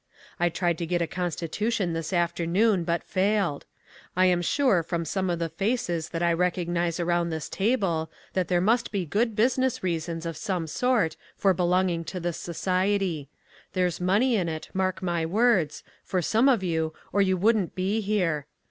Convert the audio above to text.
I tried to get a constitution this afternoon but failed. I am sure from some of the faces that I recognise around this table that there must be good business reasons of some sort for belonging to this society. There's money in it, mark my words, for some of you or you wouldn't be here.